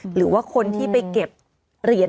หรือว่าคนที่ไปเก็บเหรียญ